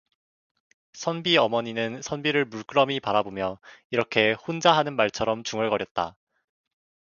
선비 어머니는 선비를 물끄러미 바라보며 이렇게 혼자 하는 말처럼 중얼거렸다.